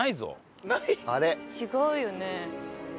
違うよね。